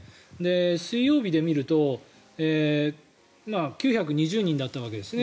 水曜日で見ると９２０人だったわけですね。